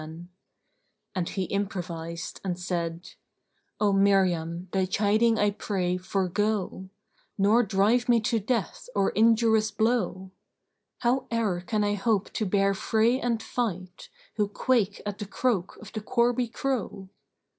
"[FN#9] And he improvised and said, "O Miriam thy chiding I pray, forego; * Nor drive me to death or injurious blow: How e'er can I hope to bear fray and fight * Who quake at the croak of the corby crow?